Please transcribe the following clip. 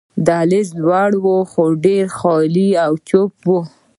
دهلېز لوی وو، خو ډېر خالي او چوپ وو.